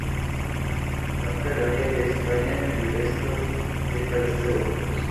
Abarca el área de España,y resto de países europeos.